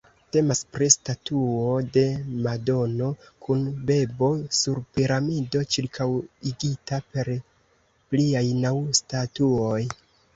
Temas pri statuo de Madono kun bebo sur piramido, ĉirkaŭigita per pliaj naŭ statuoj.